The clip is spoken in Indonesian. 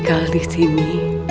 kalau ada haikal disini